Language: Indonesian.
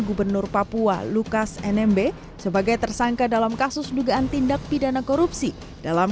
gubernur papua lukas nmb sebagai tersangka dalam kasus dugaan tindak pidana korupsi dalam